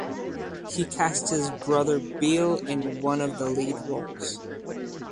He cast his brother Beal in one of the lead roles.